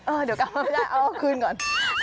เดี๋ยวกลับไม่ได้เอาคืนก่อน